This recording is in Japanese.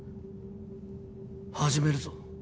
始めるぞ。